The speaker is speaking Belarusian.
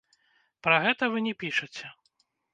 Пра гэта вы не пішаце.